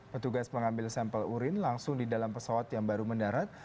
petugas mengambil sampel urin langsung di dalam pesawat yang baru mendarat